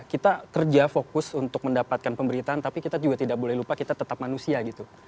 kita kerja fokus untuk mendapatkan pemberitaan tapi kita juga tidak boleh lupa kita tetap manusia gitu